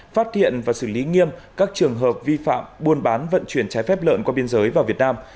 phát hiện và xử lý nghiêm các trường hợp vi phạm buôn bán vận chuyển trái phép lợn qua biên giới vào việt nam